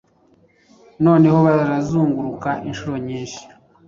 Noneho barazunguruka inshuro nyinshi